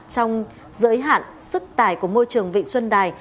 trong giới hạn sức tải của môi trường vịnh xuân đài